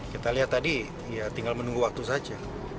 kita lihat tadi ya tinggal menunggu waktu saja